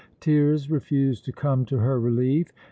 Tears refused to come to her relief.